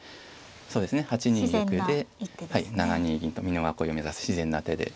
そうですね８二玉で７二銀と美濃囲いを目指す自然な手で。